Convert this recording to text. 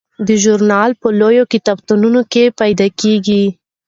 دا ژورنال په لویو کتابتونونو کې پیدا کیږي.